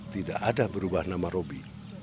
tidak ada perubahan nama robby